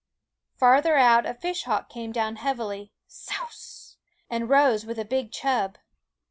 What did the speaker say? Farther out, a fishhawk came down heavily, souse! and rose with a big chub.